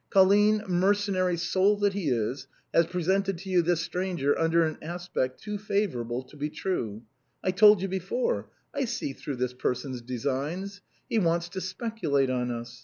Colline, mercenary soul that he is, has presented to you this stranger under an aspect too favorable to be true. I told you before; I see through this person's designs. He wants to speculate on us.